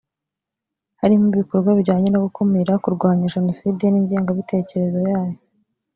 harimo ibikorwa bijyanye no gukumira kurwanya jenoside n ingengabitekerezo yayo